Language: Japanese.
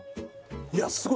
いやあすごい！